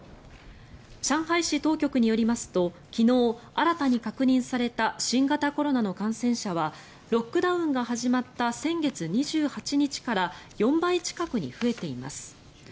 上海市当局によりますと昨日新たに確認された新型コロナの感染者はロックダウンが始まった先月２８日から４倍近くに増えています。